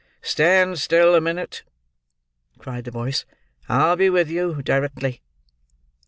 "Stand still, a minute," cried the voice; "I'll be with you directly."